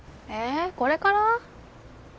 えっこれから？